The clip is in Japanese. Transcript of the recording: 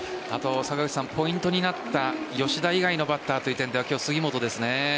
ポイントになった吉田以外のバッターという点では今日は杉本ですね。